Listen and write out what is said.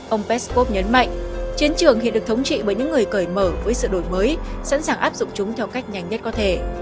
ông peskov nhấn mạnh chiến trường hiện được thống trị bởi những người cởi mở với sự đổi mới sẵn sàng áp dụng chúng theo cách nhanh nhất có thể